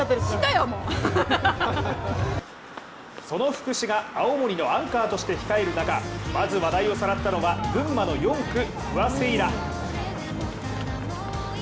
その福士が青森のアンカーとして控える中、まず話題をさらったのは群馬の４区、不破聖衣来。